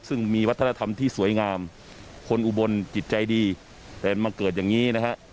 ซึ่งมีวัฒนธรรมที่สวยงามคนอุบลจิตใจดีแต่มาเกิดอย่างนี้นะฮะ